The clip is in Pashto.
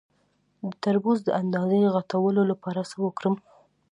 د تربوز د اندازې غټولو لپاره څه وکړم؟